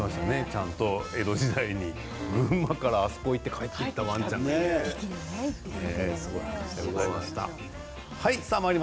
ちゃんと江戸時代に群馬からあそこに行って帰ったワンちゃんがいる。